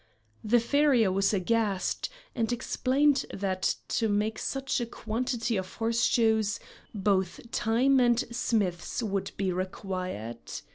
The farrier was aghast, and explained that to make such a quantity of horseshoes, both time and smiths would be required.